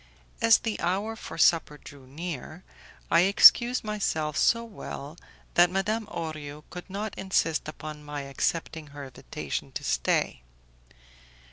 As the hour for supper drew near, I excused myself so well that Madame Orio could not insist upon my accepting her invitation to stay.